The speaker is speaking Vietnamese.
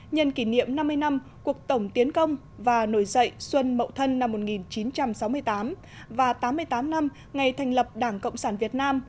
nhân kỷ niệm năm mươi năm cuộc tổng tiến công và nổi dậy xuân mậu thân năm một nghìn chín trăm sáu mươi tám và tám mươi tám năm ngày thành lập đảng cộng sản việt nam